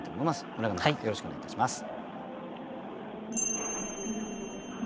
村上さんよろしくお願いいたします。